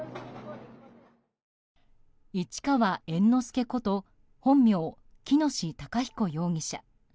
市川猿之助こと本名・喜熨斗孝彦容疑者。